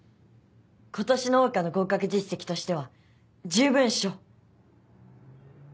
今年の桜花の合格実績としては十分っしょ。